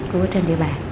của trên địa bàn